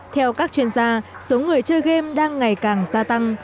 theo các chuyên gia số người chơi game đang ngày càng gia tăng